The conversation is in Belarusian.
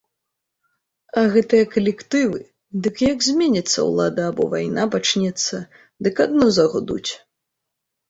А гэтыя калектывы, дык як зменіцца ўлада або вайна пачнецца, дык адно загудуць.